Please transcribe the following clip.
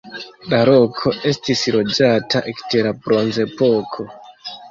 La loko estis loĝata ekde la bronzepoko.